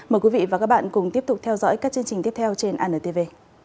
mời quý vị và các bạn cùng tiếp tục theo dõi các chương trình tiếp theo trên antv